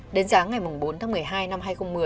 đến sáng ngày bốn tháng một mươi hai năm hai nghìn một mươi